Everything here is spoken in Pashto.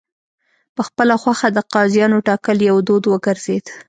په خپله خوښه د قاضیانو ټاکل یو دود وګرځېد.